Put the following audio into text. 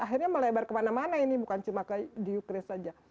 akhirnya melebar kemana mana ini bukan cuma di ukraine saja